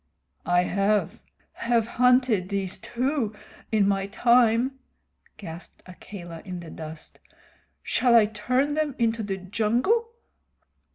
"I have have hunted these too in my time," gasped Akela in the dust. "Shall I turn them into the jungle?"